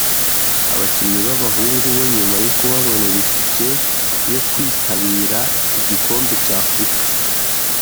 Abakinnyi b’abahungu bo nyuma yo kubabonera itike yo kwitabira igikombe cy’Africa